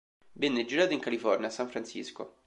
Venne girato in California, a San Francisco.